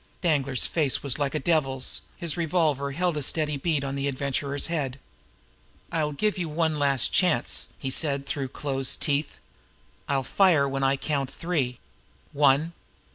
Danglar's face was like a devil's. His revolver held a steady bead on the Adventurer's head. "I'll give you a last chance." He spoke through closed teeth. "I'll fire when I count three. One!"